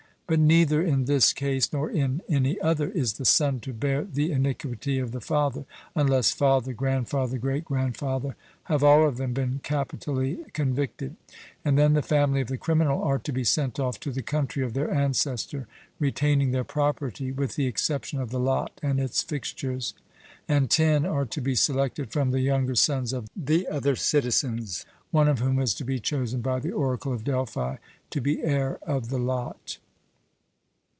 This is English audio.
But neither in this case nor in any other is the son to bear the iniquity of the father, unless father, grandfather, great grandfather, have all of them been capitally convicted, and then the family of the criminal are to be sent off to the country of their ancestor, retaining their property, with the exception of the lot and its fixtures. And ten are to be selected from the younger sons of the other citizens one of whom is to be chosen by the oracle of Delphi to be heir of the lot.